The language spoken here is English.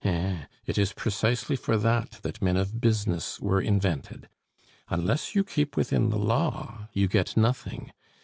"Eh! it is precisely for that that men of business were invented; unless you keep within the law, you get nothing.